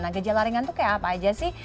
nah gejala ringan tuh kayak apa aja sih